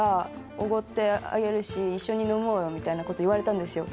「おごってあげるし一緒に飲もうよ」みたいなこと言われたんですよ